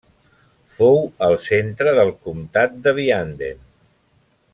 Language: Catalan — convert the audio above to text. Fou el centre del Comtat de Vianden.